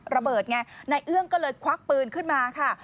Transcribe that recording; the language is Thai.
ระเบิดไงนายเอื้องก็เลยควักปืนขึ้นมาค่ะ